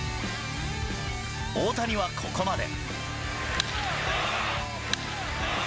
大谷はここまで。